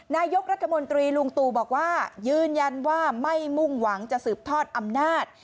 นายกรัฐมนตรีลุงตู่บอกว่ายืนยันว่าไม่มุ่งหวังจะสืบทอดอำนาจ